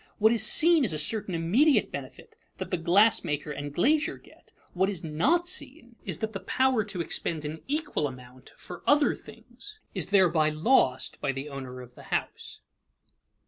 What is seen is a certain immediate benefit that the glass maker and glazier get; what is not seen is that the power to expend an equal amount for other things is thereby lost by the owner of the house.